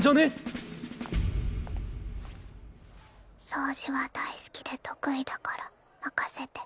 掃除は大好きで得意だから任せて。